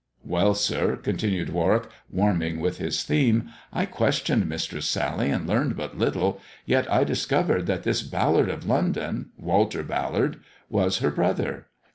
Well, sir," continued War wick, warming with his theme, "I questioned Mistress Sally and learned but little, yet I discovered that this Ballard of London — Walter Ballard — was her brother."